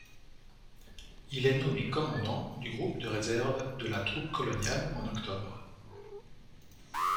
Il est nommé commandant du groupe de réserve de la troupe coloniale en octobre.